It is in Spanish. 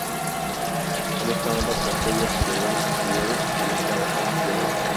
Conecta ambas "arterias cerebrales anteriores", derecha e izquierda.